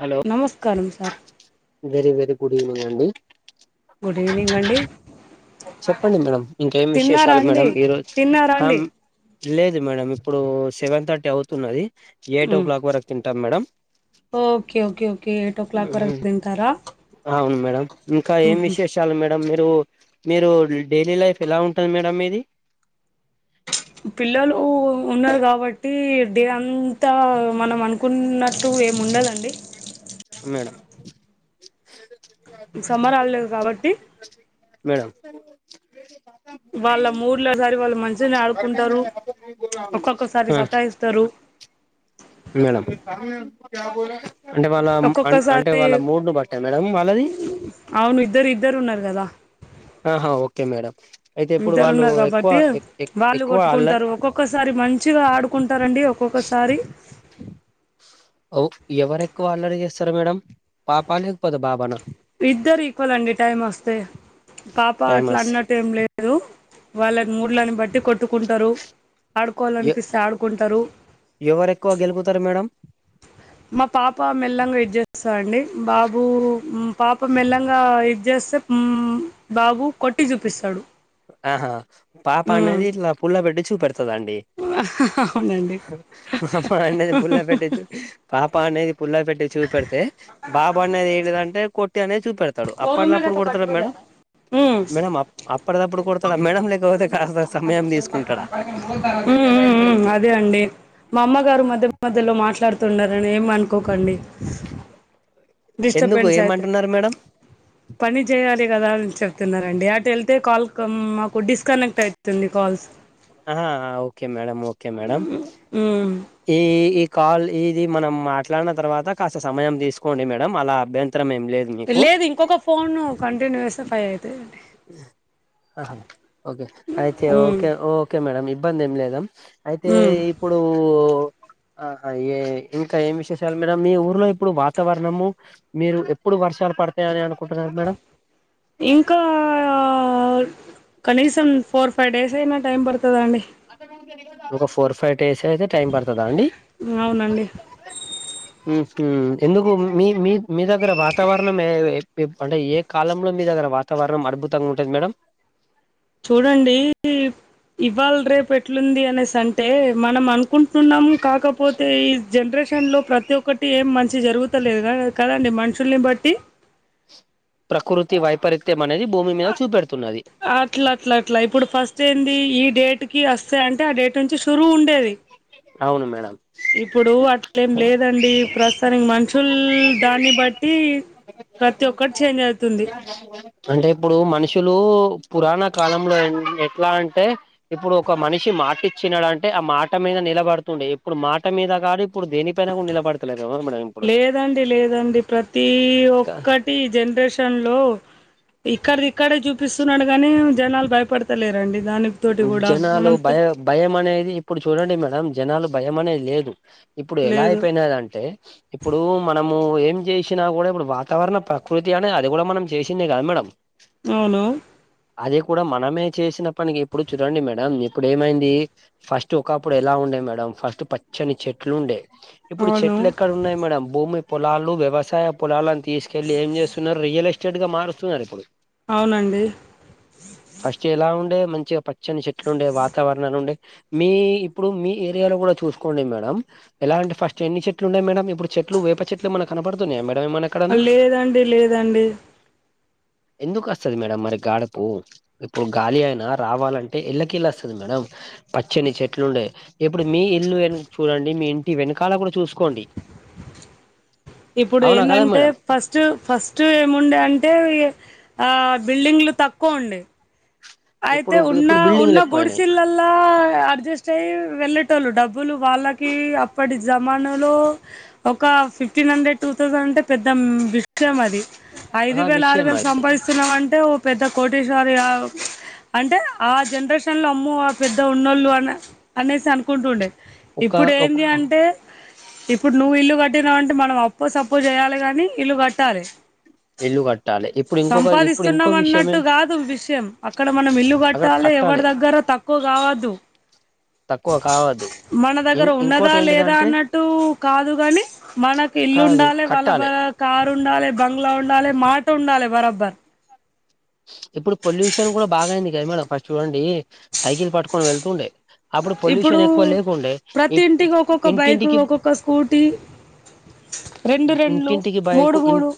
Hello నమస్కారం sir very very good evening అండి good evening అండి చెప్పండి మేడం ఇంకేం తిన్నారా విశేషాలు అండి మేడం ఈరోజు తిన్నారా అండి హమ్ లేదు మేడంమ్ ఇప్పుడు సెవెన్ థర్టీ అవుతున్నది ఎయిట్ ఓ మ్మ్ క్లాక్ వరకు తింటాం madam okay okay okay eight ఓ క్లాక్ వరకు తింటారా అవును మేడం ఇంకా ఏం ఉహు విశేషాలు మేడం మీరు మీరు డైలీ లైఫ్ ఎలా ఉంటది మేడంమ్ మీది పిల్లలు ఉన్నారు కాబట్టి డే అంతా మనం అను కున్నట్టు ఏం ఉండదండి మేడం సమ్మర్ హాలిడేస్ కాబట్టి మేడం వాళ్ళ మూర్లో సారి వాళ్ళు మంచిగనే ఆడుకుంటారు ఒక్కొక్కసారి ఆ సతాయిస్తారు మేడం అంటే వాళ్ళ అ అంటే ఒక్కొక్కసారి వాళ్ళ మూడును బట్టా మేడం వాళ్ళది అవును ఇద్దరు ఇద్దరున్నారు కదా ఆహా ఓకే మేడం అయితే ఇప్పుడు వాళ్ళు ఇద్దరున్నారు ఎక్కువ కాబట్టి వాళ్ళు ఎక్కువ అల్ల కొట్టుకుంటారు ఒక్కొక్కసారి మంచిగా ఆడుకుంటారండి ఒక్ క్కొక్కసారి అవ్ ఎవరెక్కువ అల్లరి చేస్తారు మేడం పాప లేకపోతే బాబనా ఇద్దరు ఈక్వల్ అండి టైం వస్తే పాప అట్లా టైమస్ అన్నట ఏంలేదు దు వాళ్ళని మూడ్లని బట్టి కొట్టుకుంటారు ఆడుకోవాలనిపిస్తే ఆడుకుంటరు ఎవరెక్కువ గెలుకుతారు మేడం మా పాప మెల్లంగా ఇది చేస్తా అండి బాబు పాప మెల్లంగా ఇది చేస్తే ఉమ్మ్ బాబు కొట్టి చూపిస్తాడు ఆహా పాప ఉమ్ అనేది ఇట్లా పుల్ల పెట్టి చూపెడతదండి అవునండి పాప అనేది పుల్ల పెట్టి చూ పాప అనేది పుల్ల పెట్టి చూపెడితే బాబా అనేది ఏంటిదంటే కొట్టి అనేది చూపెడత డు అప్పటిదప్పుడు కొడతా మేడం ఉమ్ మేడం అప్పటిదప్పుడు మేడం లేకపోతే కాస్త సమయం తీసుకుంటాడా ఉమ్మ్ ఉమ్మ్ ఉమ్మ్ అదే అండి మా అమ్మగారు మధ్య మధ్యలో మాట్లాడుతున్నారని ఏం అనుకోకండి ఎందుకు డిస్టర్బెన్స్ అయితే ఏమంటున్నారు మెడం పని చేయాలి గదాని చెప్తున్నారండి అటు ఎళ్తే కాల్ మాకు డిస్కనెక్ట్ ఐతుంది కాల్స్ ఆహా okay madam okay madam um ఈ కాల్ ఇది మనం మాట్లాడిన తర్వాత కాస్త సమయం తీసుకోండి మేడం అలా అభ్యంతరం ఏం లేదు మీకు లేదు ఇంకొక ఫోన్ కంటిన్యూ చేస్తే ఫైవ్ అయితయి అండి ఆహా ఓకే అయితే ఉమ్ ఓకే ఓకే మేడం ఇబ్బంది ఏం లేదా అయితే ఉమ్ ఇపుడు ఆహ ఇంకా ఏం విశేషాలు మెడం మీ ఊర్లో ఇప్పుడు వాతావరణము మీరు ఎప్పుడు వర్షాలు పడతాయని అనుకుంటున్నారు మేడం ఇంకా కనీసం ఫోర్ ఫైవ్ డేస్ అయినా టైం పడుతదండి ఒక ఫోర్ ఫైవ్ డేస్ అయితే టైం పడతదా అండి అవునండి ఉహు ఎందుకు మీ మీ మీ దగ్గర వాతావరణం ఏ అంటే ఏ కాలంలో మీదగ్గర వాతావరణం అద్భుతంగా ఉంటది మేడం చూడండి ఇవ్వాల రేపు ఎట్లుంది అనేసి అంటే మనం అనుకుంటున్నాం కాకపో తే ఈ జనరేషన్లో ప్రతి ఒక్కటి ఏం మంచిగా జరుగుతలేదు కదండి మనుషుల్ని బట్టి ప్రకృతి వైపరీత్యం అనేది భూమి మీద చూపెడుతున్నది అట్లా అట్లా అట్లా ఇప్పుడు ఫస్ట్ ఏంది ఈ డేట్కి వస్తయి అంటే ఆ డేట్ నుంచి షురు ఉండేది అవును మేడం ఇప్పుడు అట్లేం లేదండి ప్రస్తుతానికి మనుషుల్ దాన్ని బట్టి ప్రతి ఒక్కటీ చేంజ్ అవుతుంది ఆవును కదా అంటే ఇప్పుడు మనుషులు పురాణ కాలంలో ఎట్లా అంటే ఇప్పుడు ఒక మనిషి మాట ఇచ్చినడంటే ఆ మాట మీద నిల బడుతుండే ఇప్పుడు మాట మీద కాదు ఇప్పుడు దేనిపైన కూడా నిలబడతలే మేడం ఇప్పుడు లేదండి లేదండి ప్రతి కా ఒక్కటి ఈ జనరేషన్ లో ఇక్కది ఇక్కడే చూపిస్తున్నాడు గాని జనాలు భయపడతలేరండి దాని జనాలు భయ భయం అనేది ఇప్పుడు చూడండి మేడం జనాలు భయం అనేది లేదు ఇప్పుడు ఎలా లేదు అయిపోయినాదంటే ఇప్పుడు మనము ఏం చేసినా కూడా ఇప్పుడు వాతావరణ ప్రకృతి అనే అది కూడా మనం చేసిందె కదా మేడం అవును అది కూడా మనమే చేసిన పనికి ఇప్పుడు చూడండి మేడం ఇప్పుడు ఏమైంది ఫస్ట్ ఒకప్పుడు ఎలా ఉండే మేడం ఫస్ట్ పచ్చని చెట్లు ఉండే ఇప్పుడు అవును చెట్లు ఎక్కడ ఉన్నాయి మేడం భూమి పొలాలు వ్యవసాయ పొలాలను తీసుకెల్లి ఏం చేస్తున్నారు రియలె స్టేట్గా మారుస్తున్నారు ఇప్పుడు అవునండి ఫస్ట్ ఎలా ఉండే మంచిగా పచ్చని చెట్లు ఉండే వాతావరణాలు ఉండే మీ ఇప్పుడు మీ ఏరియాలో కూడా చూసుకోండి మేడం ఎలా అంట ఫస్ట్ ఎన్ని చెట్లు ఉన్నాయి మేడం ఇప్పుడు చెట్లు వేప చెట్లు ఏమన్నా కనపడుతున్నాయా మేడం మనకి లేదండి లేదండి ఎందుకు వస్తుది మేడం మరి గాడుపు ఇప్పుడు గాలి అయినా రావాలంటే అంటే ఇళ్ళకీ ఇళ్ళ వస్తుంది మేడం పచ్చని చెట్లు ఉండే ఇప్పుడు మీ ఇల్లు వెను చూడండి మీ ఇంటి వెనకాల కూడా చూసుకోండి ఇప్పుడు అవునా కదా ఎందంటే మేడం ఫస్ట్ ఫస్ట్ ఏముండే అంటే ఆ బిల్డింగ్లు తక్కువ ఉండే అయితే ఇప్పుడు ఉన్నా ఇప్పుడు బిల్డింగ్లు ఉన్నా ఎక్కువయినాయి గుడ్సల్ లల లా అడ్జస్ట్ అయ్యి వెళ్ళేటోళ్ళు డబ్బులు వాళ్ళకి అప్పటి జమానాలో ఒక ఫిఫ్టీన్ హండ్రెడ్ టూ థౌసండ్ అంటే పెద్ద బి అది ఐదు ఆ వేలు ఆరు విషయం వేలు అది సంపాదిస్తున్నామంటే ఓ పెద్ద కోటేశ్వరి అంటే ఆ జనరేషన్ లో అమ్ము ఆ పెద్ద ఉన్నోళ్ళు అని అనేసి అనుకుంటుండే ఒక ఇప్పుడు ఏంది అంటే ఇప్పుడు నువ్వు ఇల్లు కట్టినవ్ అంటే మనం అప్పు సప్పు చేయాలి కాని ఇల్లు కట్టాలి ఇల్లు కట్టాలి ఇప్పుడు ఇంకొక ఇప్పుడు ఇంకో సంపాదిస్తున్నాం విషయం అన్నట్టు ఏంటి కాదు విషయం అక్కడ మనం ఇల్లు కట్టాలి ఎవరి దగ్గర తక్కువ కావద్దు తక్కువ కావదు మన దగ్గర ఉన్నదా లేదా అన్నట్టు కాదు కాని మనకు కాదు ఇల్లుండాలి వాళ్ళ కట్టాలి కారు ఉండాలి బంగ్లా ఉండాలి మాట ఉండాలి బరాబర్ ఇప్పుడు పొల్యూషన్ కూడా బాగాయింది కదా మేడం ఫస్ట్ చూడండి సైకిల్ పట్టుకొని వెళ్తుండే అప్పుడు ఇప్పుడు పొల్యూషన్ ఎక్కువ లేకుండే ప్రతి ఇప్పు ఇంటికి ఒక్కొక్క బైక్ ఇంటింటికి ఒక్కొక్క స్కూటీ రెండు రెండ్లు ఇంటింటికి బైకు మూడు ఇన్ మూడు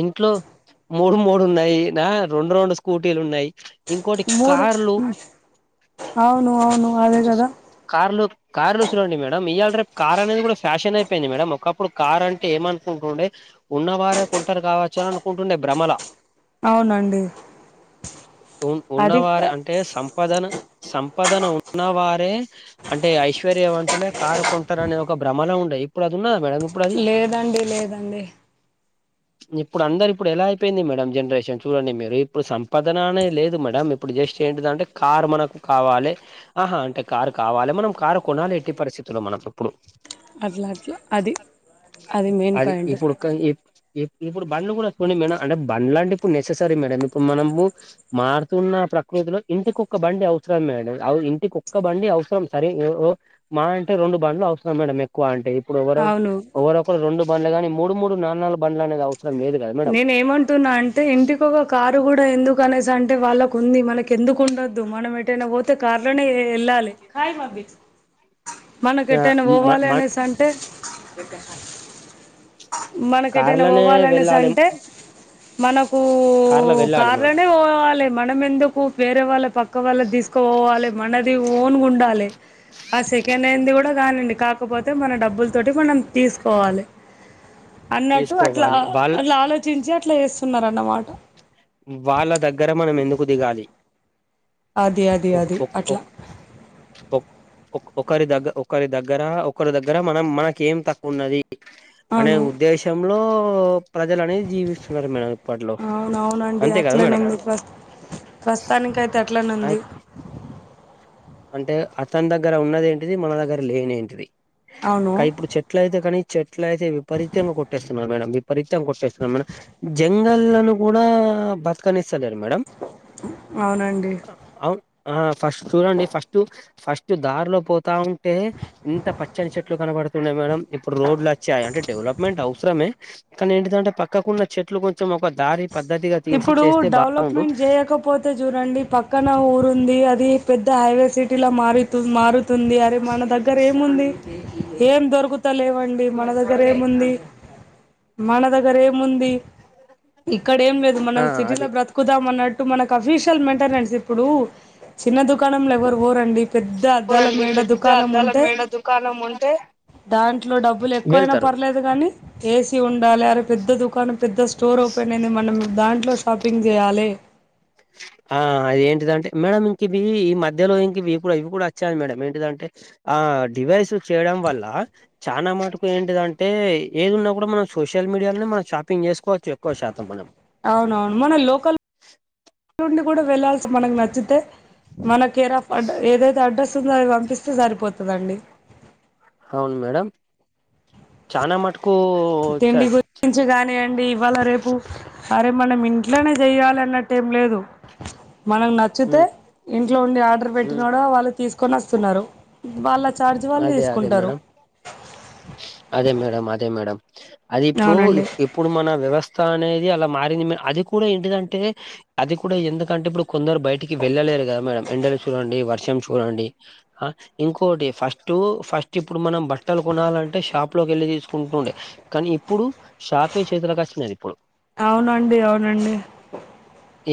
ఇంట్లో మూడు మూడు ఉన్నాయి నా రెండు రెండు స్కూటీలు ఉన్నాయి ఇంకోటి మూడు కార్లు అవును అవును అదే కదా కార్లు కార్లు చూడండి మేడం ఇవాళ రేపు కార్ అనేది కూడా ఫ్యాషన్ అయిపోయింది మేడం ఒకప్పుడు కార్ అంటే ఏమ అనుకుంటుండే ఉన్నవారే కొంటరూ కావచ్చు అని అనుకుంటుండే భ్రమల అవునండి ఉన్న అది వారి అంట అంటే సంపాదను సంపదన ఉన్నవారే అంటే ఐశ్వర్యవంతులే కారు కొంటరు అనే ఒక భ్రమలో ఉండయి ఇప్పుడు అది ఉన్నద మేడం ఇప్పుడు అది లేదండి లేదండి ఇప్పుడు అందరు ఇప్పుడు ఎలా అయిపోయింది మేడం జనరేషన్ చూడండి మీరు ఇప్పుడు సంపాదన అనే లేదు మేడం ఇప్పుడు జస్ట్ ఏంటిదంటే కారు మనకు కావాలి ఆహా అంటే కారు కావాలి మనం కారు కొనాలి ఎట్టి పరిస్థితులు మనం ఇప్పుడు అట్లా అట్లా అది అది మెయిన్ పాయింట్ ఇప్పుడు బండ్ కూడా కొని మేడం అంటే బండ్ లంటే ఇప్పుడు నెససరీ మేడం ఇప్పుడు మనము మారుతున్న ప్రకృతిలో ఇంటికొక్క బండి అవసరం మేడం అవి ఒక్క బండి అవసరం సరే ఎవరు మా అంటే రెండు బండ్లు అవసరం మేడం మీ ఎక్కువ అంటే ఇప్పుడు ఎవరో అవును ఎవరొకరు రెండు బండులు కానీ మూడు మూడు నాన్నాలుగు బండ్లు అనే అవసరం లేదు కదా మేడం నేను ఏమంటున్నా అంటే ఇంటి ఎక్కువగా కారు కూడా ఎందుకు అనేసి అంటే వాళ్ళకు ఉంది మనకి ఎందుకు ఉండద్దు మనం ఏటైనా పోతే తే కారు లోనే వెళ్ళాలి మనకు ఆ ఎట్టైనా మ పోవాలి మన అనేసి అంటే మనకి ఎటైనా కార్లనే పోవాలనేసి వెళ్ళాలి అంటే మనకు కార్లో వెళ్ళాలి మనం కార్లోనే పోవాలె మనం ఎందుకు వేరే వాళ్ళ పక్క వాళ్ళది తీసుకోపోవాలె మనది ఓన్గా ఉండాలె ఆ సెకండ్ అయిండ్ కూడా కానండి కాకపోతే మన డబ్బుల తోటి మనం తీసుకోవాలి అన్నట్టు అట్లా తీసుకోవాలి వాళ్ళ అట్లా ఆలోచించి అట్లా చేస్తున్నారు అనమాట వాళ్ళ దగ్గర మనం ఎందుకు దిగాలి అది అది ఓ అది ఓ అట్లా కు ఒకరి దగ్గ ఒకరి దగ్గర ఒకరి దగ్గర మనం మనకి ఏం తక్కువ ఉన్నది అనే అవును ఉద్దేశంలో ప్రజలు అనేది జీవిస్తున్నారు మేడం ఇప్పట్లో అవు అవునండి అంతే కదా అట్లనే మేడం ఉంది ప్ర ప్రస్తుతానికి అయితే అట్లనే ఉంది అంటే అతని దగ్గర ఉన్నది ఏంటిది మన దగ్గర లేని ఏంటిది అవును కా ఇప్పుడు చె ఎట్ల అయితే కానీ చెట్ల అయితే విపరీతంగా కొట్టేస్తున్నారు మేడం విపరీతంగా కొట్టేస్తున్నారు మే జంగల్లను కూడా బతుకనిస్తలేరు మేడమ్ అవునండి అవును అ ఫస్ట్ చూడ అండి ఫస్ట్ ఫస్ట్ దారిలో పోతా ఉంటే ఇంత పచ్చని చెట్లు కనబడుతున్నాయి మేడం ఇప్పుడు రోడ్లు వచ్చాయి అంటే డెవలప్మెంట్ అవసరమే కానీ ఏంటిదంటే పక్కకున్న చెట్లు కొంచెం ఒక దారి పద్ధతిగా తీసి ఇప్పుడు చేస్తే బాగుండు డెవలప్మెంట్ జేయకపో చూడండి పక్కన ఊరుంది అది పెద్ద హైవే సిటీలో మారుతు మారు తుంది అరే మన దగ్గర ఏముంది ఏం దొరుకుత లేవండి మన దగ్గర ఏముంది మన దగ్గర ఏముంది ఇక్కడ ఏం లేదు మనం ఆ సిటీలో అది బ్ర బతుకుదాం అన్నట్టు మనకు అఫీషియల్ మెయింటెనెన్స్ ఇప్పుడు చిన్న దుకాణంలో ఎవరు పోరండి పెద్ అద్దాల మేడ దుకాణం ఉంటే దాంట్లో డబ్బులు ఎక్కువయినా వెళ్తారు పర్లేదు కాని ఏసి ఉండాలె అరే పెద్ద దుకాన్ పెద్ద స్టోర్ ఓపెన్ అయింది మనం దాంట్లో షాపింగ్ జేయాలి ఆ అది ఏంటిది అంటే మేడం ఇంక ఇవీ ఈ మధ్యలో ఇంక ఇవి కూడా ఇవి కూడా వచ్చాను మేడం ఏంటిదంటే ఆ డివైసు చేయడం వల్ల చానా మటుకు ఏంటిదంటే ఏది ఉన్నా కూడా మనం సోషల్ మీడియాలోనే మనం షాపింగ్ చేసుకోవచ్చు ఎక్కువ శాతం మనం అవునవును మన లోకల్ నుండి కూడా వెల్లాల్సి మనకు నచ్చి అయితే మనకు ఏరాఫ్ అ ఏదైతే అడ్రస్ ఉందో అవి పంపిస్తే సరిపోతుదండి అవును మేడం చానా మటుకు చ తిండి గురించి గాని అండి ఇవాళ రేపు రేపు మనం ఇంట్లోనే జెయ్యాలి అన్నట్టేం లేదు మనకు నచ్చితే ఉమ్. ఇంట్లో ఉండి ఆర్డర్ మ్మ్ పెట్టినాడ వాళ్ళు తీసుకొని వస్తున్నారు వాళ్ళ ఛార్జ్ వాళ్ళు అదే అదే తీసుకుంటరు మేడం అదే మేడం అదే మేడం అది ఇప్పుడూ ఇ అవునండి ఇప్పుడు మన వ్యవస్థ అనేది అలా మారింది మే అది కూడా ఏంటిదంటే అది కూడా ఎందుకంటే ఇప్పుడు కొందరు బయటికి వెళ్ళలేరు కదా మేడం ఎండలు చూడండి వర్షం చూడండి ఆ ఇంకోడి ఫస్ట్ టు ఫస్ట్ ఇప్పుడు మనం బట్టలు కొనాలంటే షాప్ లోకి వెళ్ళి తీసుకుంటుండే కానీ ఇప్పుడు షాపే చేతులోకి వచ్చినది ఇప్పుడు అవునండి అవునండి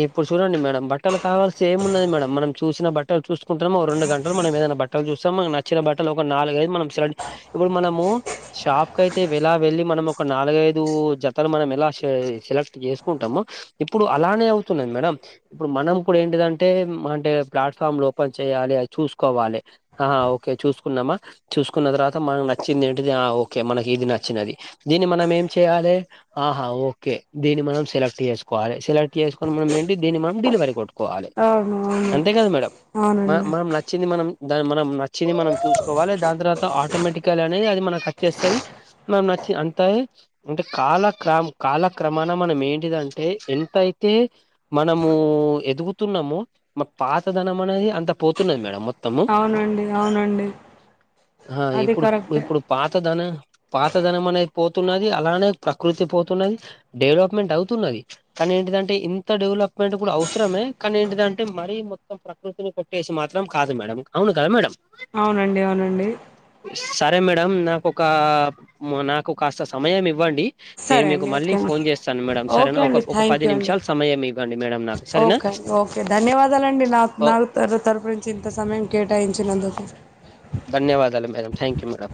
ఇప్పుడు చూడండి మేడం బట్టలు కావాల్సి ఏమున్నది మేడం మనం చూసిన బట్టలు చూసుకుంటన్నాంఓ రెండు గంటలు మనం ఏదైనా బట్ అక్కడ చూస్తం మనకు నచ్చిన బట్టలు ఒక నాలుగైదు మనం సెలెక్ట్ జ్ ఇప్పుడు మనము షాప్ కయితే వెలా వెళ్ళి మనం ఒక నాలుగైదు జతలు మనం ఎలా సె సెలెక్ట్ జేసుకుంటమో ఇప్పుడు అలానే అవుతున్నది మేడం ఇప్పుడు మనం కూడ ఏంటిదంటే అంటే ప్లాట్ఫామ్లు ఓపెన్ చెయాలె అది చూసుకోవాలె ఆ ఓకే చూసుకున్నమా చూసుకున్న తర్వాత మనకు నచ్చింది ఏంటది ఆ ఓకే మనకి ఇది నచ్చినది దీన్ని మనం ఏం చెయాలే ఆహా ఓకే దీన్ని మనం సెలెక్ట్ చేసుకోవాలె సెలెక్ట్ చేసు ఇపుడు మనమేంటి దీన్ని మనం డిలివరీ గొట్టుకోవాలె అవును అవును అంతే గద మేడం మన అవునండి మనం నచ్ నచ్చింది మనం దా మనం నచ్చింది మనం చూసుకోవాలె దాని తర్వాత ఆటోమేటికలనే అది మనక్ అచ్చేస్తది మనక్ నచ్చి అంతయే అంటే కాలక్ర కాలక్రమాన మనం ఏంటిదంటే ఎంతయి తే మనమూ ఎదుగుతున్నము మా పాతధనం అనేది అంత పోతున్నది మేడం మొత్ తము అవునండి అవునండి హా అది ఇప్పుడు కరెక్టే ఇప్పుడు పాతధన పాతధనం అనేది పోతున్నది అలానే ప్రకృతి పోతున్నది డెవలప్మెంట్ అవుతున్నది కనీ ఏంటిందంట్ టే ఇంత డెవలప్మెంట్ కూడ అవసరమే కానీ ఏంటిదంటె మరీ మొత్తం ప్రకృతిని కొట్టేసి మాత్రం కాదు మేడం అవును కద మేడం అవునండి అవునండి సరే మేడం నాకు ఒకా నాకు కాస్త సమయం ఇవ్వండి నేను సరే మీకు అండి మళ్ళీ ఓకే, ఫోన్ చేస్తాను మేడం ఓకే సరేనా ఒక అండి ఒక థ్యాంక్ పది యూ అండి నిమిషాలు సమయం ఇవ్వండి మేడం నాకు సరేనా ఓకే అండి ఓకే ధన్యవాదాలండి నా ఓ నాతరు తరుపు నుంచి ఇంత సమయం కేటాయించినందుకు దన్యవాదాలు మేడం థ్యాంక్ యు మేడం